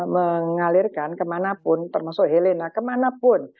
mengalirkan kemanapun termasuk helena kemanapun